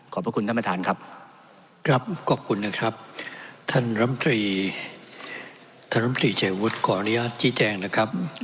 ขอบพระคุณท่านประธานครับ